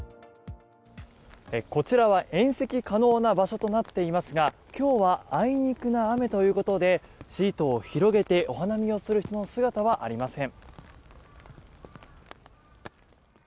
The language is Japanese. こちらは宴席可能な場所となっていますが今日はあいにくの雨ということでシートを広げてお花見をする人の姿はありません。